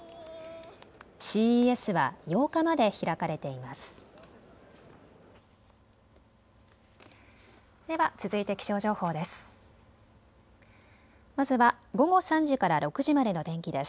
ＣＥＳは８日まで開かれています。